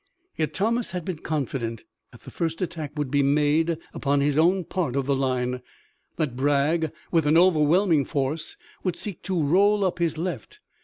Yet Thomas had been confident that the first attack would be made upon his own part of the line, that Bragg with an overwhelming force would seek to roll up his left.